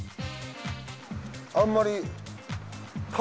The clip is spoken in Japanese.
あんまり。